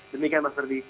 demikian mas herdi